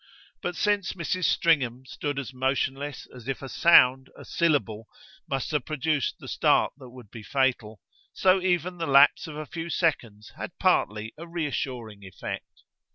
But since Mrs. Stringham stood as motionless as if a sound, a syllable, must have produced the start that would be fatal, so even the lapse of a few seconds had partly a reassuring effect.